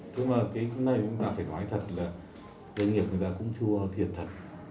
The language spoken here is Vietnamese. thế mà cái này chúng ta phải nói thật là doanh nghiệp người ta cũng chưa thiệt thật